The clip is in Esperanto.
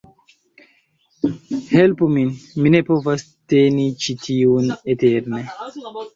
Helpu min! Mi ne povas teni ĉi tiun eterne